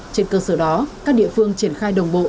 sau đó các địa phương triển khai đồng bộ